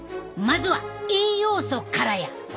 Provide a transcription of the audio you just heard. まずは栄養素からや！